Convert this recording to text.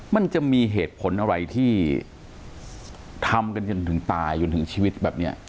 มันจะมีเหตุผลอะไรที่ทำกันจนถึงตายจนถึงชีวิตแบบนี้